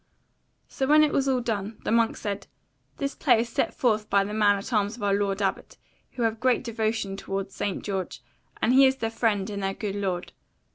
So when it was all done, the monk said: "This play is set forth by the men at arms of our lord Abbot, who have great devotion toward St. George, and he is their friend and their good lord.